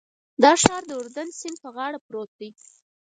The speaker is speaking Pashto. دا ښار د اردن سیند په غاړه پروت دی.